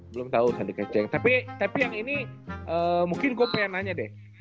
belum tahu sandi kecing tapi tapi yang ini mungkin gue mau nanya deh